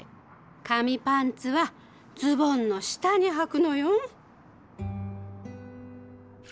紙パンツはズボンの下にはくのよ。